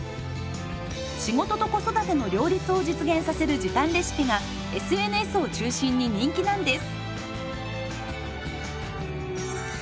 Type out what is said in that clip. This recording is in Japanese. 仕事と子育ての両立を実現させる時短レシピがＳＮＳを中心に人気なんです。